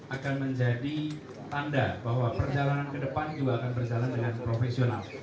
akan menjadi tanda bahwa perjalanan ke depan juga akan berjalan dengan profesional